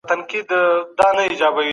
لوستل د ذهني ودې لپاره اړين دي.